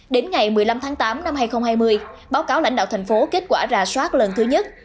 đến ngày một mươi năm tháng tám năm hai nghìn hai mươi báo cáo lãnh đạo thành phố kết quả rà soát lần thứ nhất